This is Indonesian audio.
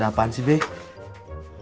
dapet apa sih bek